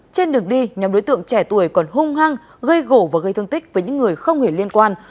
trên đường đi nhóm đối tượng trẻ tuổi còn hung hăng gây gổ và gây thương tích với những người không hề liên quan